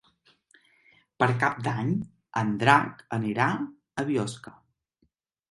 Per Cap d'Any en Drac anirà a Biosca.